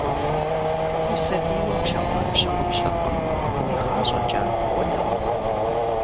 Усабийуэ плъэгъуар пщыгъупщэркъым, игъащӀэкӀэ къонэ уигу.